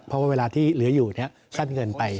เพราะว่าเวลาที่เหลืออยู่สั้นเงินไป